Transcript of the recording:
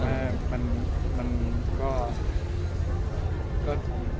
ไม่เป็นเอาหนึ่งนะคะ